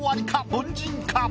凡人か？